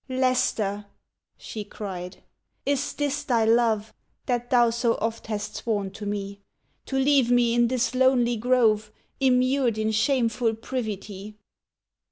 "Leicester," she cried, "is this thy love That thou so oft hast sworn to me, To leave me in this lonely grove, Immured in shameful privity?